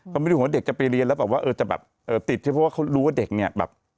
เขาไม่รู้ว่าเด็กจะไปเรียนแล้วแบบว่าจะแบบติดใช่เพราะว่าเขารู้ว่าเด็กเนี่ยแบบ